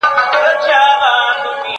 زه به خبري کړې وي،